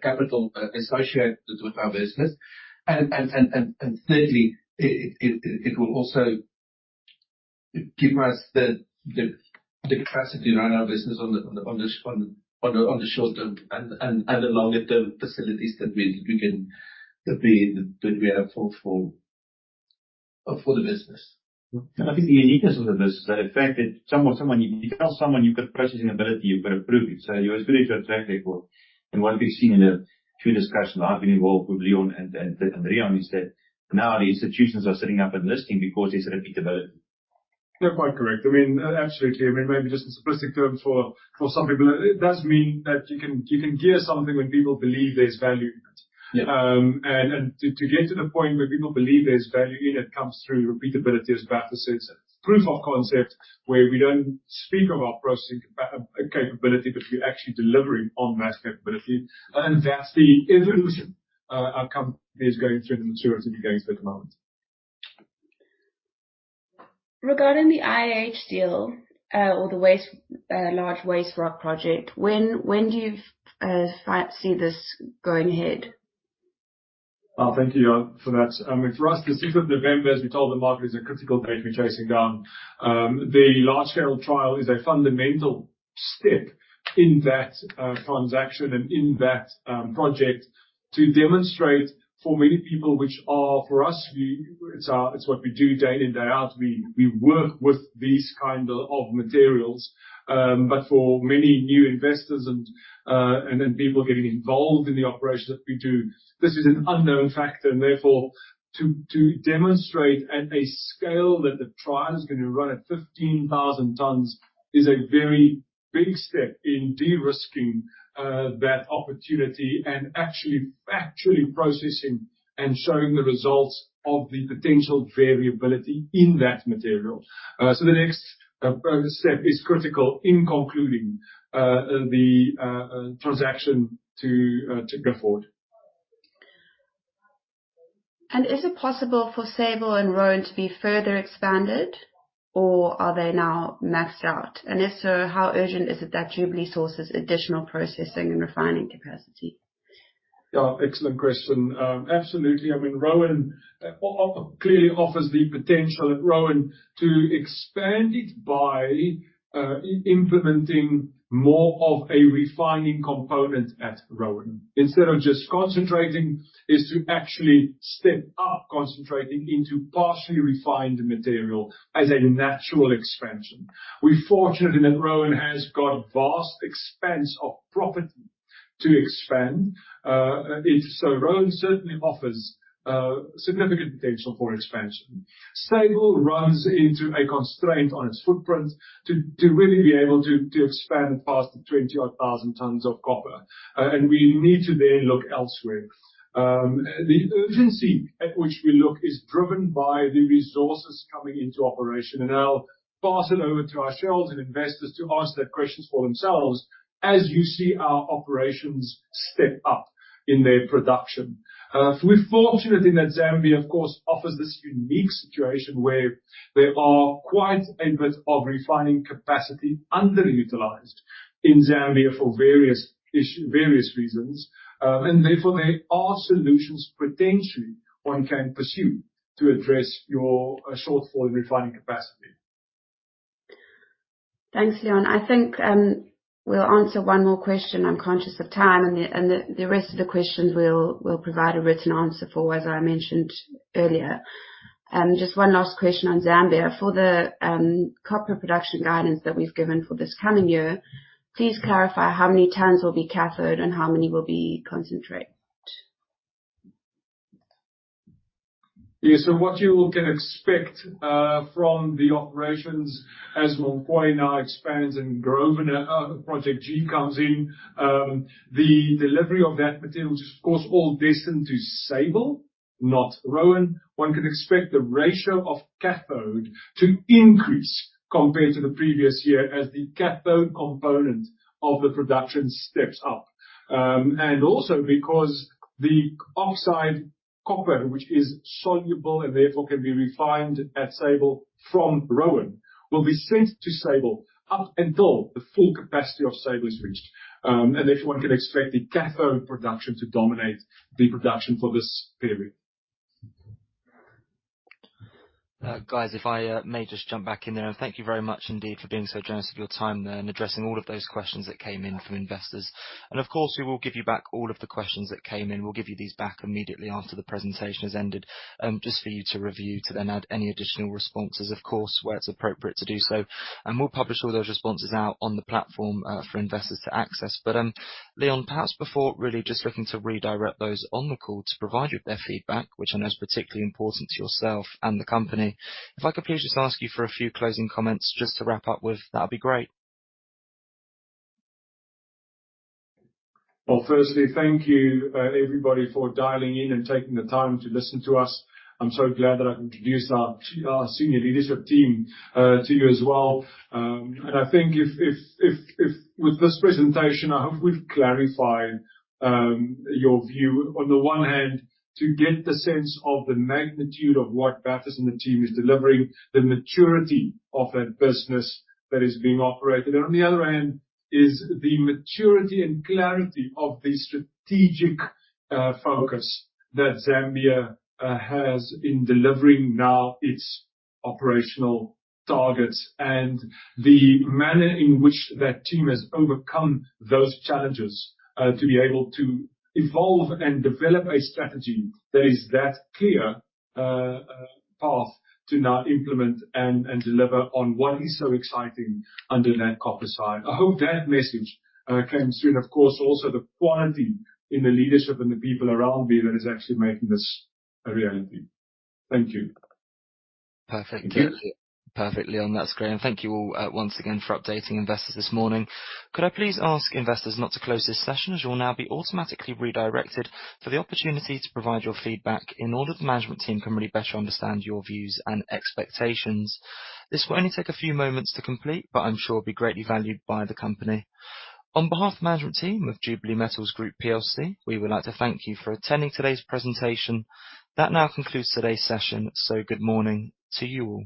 capital associated with our business. Thirdly, it will also give us the capacity to run our business on the short-term and the longer term facilities that we have for the business. I think the uniqueness of the business is the fact that you can tell someone you've got processing ability, you've got to prove it. You're as good as your track record. What we've seen in the few discussions I've been involved with Leon and Riaan is that now the institutions are sitting up and listening because there's a repeatability. You're quite correct. I mean, absolutely. I mean, maybe just in simplistic terms for some people, it does mean that you can gear something when people believe there's value in it. Yeah. To get to the point where people believe there's value in it comes through repeatability, as Bertus says. It's proof of concept where we don't speak of our processing capability, but we're actually delivering on that capability. That's the evolution outcome that is going through the materials that you're getting at the moment. Regarding the IRH deal, or the large waste rock project, when do you see this going ahead? Thank you for that. I mean, for us the sixth of November, as we told the market, is a critical date we're chasing down. The large-scale trial is a fundamental step in that transaction and in that project to demonstrate for many people, for us, it's what we do day in, day out. We work with these kind of materials. But for many new investors and people getting involved in the operation that we do, this is an unknown factor and therefore to demonstrate at a scale that the trial is gonna run at 15,000 tons is a very big step in de-risking that opportunity and actually factually processing and showing the results of the potential variability in that material. The next step is critical in concluding the transaction to go forward. Is it possible for Sable and Roan to be further expanded or are they now maxed out? If so, how urgent is it that Jubilee sources additional processing and refining capacity? Yeah, excellent question. Absolutely. I mean, Roan clearly offers the potential at Roan to expand it by implementing more of a refining component at Roan. Instead of just concentrating, is to actually step up concentrating into partially refined material as a natural expansion. We're fortunate in that Roan has got vast expanse of property to expand. It is. Roan certainly offers significant potential for expansion. Sable runs into a constraint on its footprint to really be able to expand past the 20,000 tons of copper. We need to then look elsewhere. The urgency at which we look is driven by the resources coming into operation. I'll pass it over to our shareholders and investors to ask their questions for themselves as you see our operations step up in their production. We're fortunate in that Zambia, of course, offers this unique situation where there are quite a bit of refining capacity underutilized in Zambia for various reasons. Therefore, there are solutions potentially one can pursue to address your shortfall in refining capacity. Thanks, Leon. I think we'll answer one more question. I'm conscious of time and the rest of the questions we'll provide a written answer for as I mentioned earlier. Just one last question on Zambia. For the copper production guidance that we've given for this coming year, please clarify how many tons will be cathode and how many will be concentrate? Yeah. What you all can expect from the operations as Mombo now expands and Grosvenor project G comes in. The delivery of that material is of course all destined to Sable, not Roan. One could expect the ratio of cathode to increase compared to the previous year as the cathode component of the production steps up. Also because the oxide copper, which is soluble and therefore can be refined at Sable from Roan, will be sent to Sable up until the full capacity of Sable is reached. If one can expect the cathode production to dominate the production for this period. Guys, if I may just jump back in there. Thank you very much indeed for being so generous with your time then, addressing all of those questions that came in from investors. Of course, we will give you back all of the questions that came in. We'll give you these back immediately after the presentation has ended, just for you to review, to then add any additional responses, of course, where it's appropriate to do so. We'll publish all those responses out on the platform for investors to access. Leon, perhaps before really just looking to redirect those on the call to provide you their feedback, which I know is particularly important to yourself and the company. If I could please just ask you for a few closing comments just to wrap up with, that'll be great. Well, firstly, thank you, everybody for dialing in and taking the time to listen to us. I'm so glad that I could introduce our senior leadership team to you as well. I think if with this presentation, I hope we've clarified your view on the one hand to get the sense of the magnitude of what Bertus and the team is delivering, the maturity of that business that is being operated. On the other hand is the maturity and clarity of the strategic focus that Zambia has in delivering now its operational targets and the manner in which that team has overcome those challenges to be able to evolve and develop a strategy that is that clear path to now implement and deliver on what is so exciting under that copper side. I hope that message came through. Of course, also the quality in the leadership and the people around me that is actually making this a reality. Thank you. Perfect. Thank you. Perfect, Leon. That's great. Thank you all, once again for updating investors this morning. Could I please ask investors not to close this session as you'll now be automatically redirected for the opportunity to provide your feedback in order that the management team can really better understand your views and expectations. This will only take a few moments to complete, but I'm sure it will be greatly valued by the company. On behalf of the management team of Jubilee Metals Group PLC, we would like to thank you for attending today's presentation. That now concludes today's session. Good morning to you all.